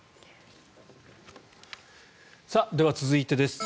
では、続いてです。